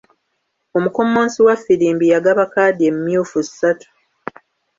Omukommonsi was ffirimbi yagaba kkaadi emyufu ssatu.